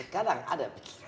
kadang ada pikiran